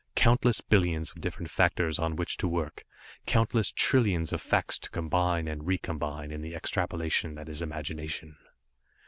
Countless billions of different factors on which to work, countless trillions of facts to combine and recombine in the extrapolation that is imagination.